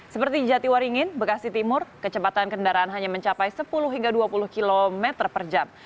seperti jatiwaringin bekasi timur kecepatan kendaraan hanya mencapai sepuluh hingga dua puluh km per jam